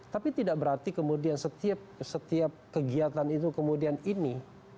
tapi tidak berarti kemudian setiap kegiatan itu kemudian ini